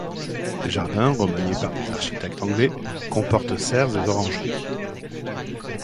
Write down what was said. Les jardins, remaniés par des architectes anglais, comportent serres et orangerie.